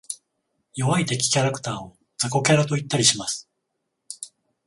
弱い敵キャラクターを雑魚キャラと言ったりします。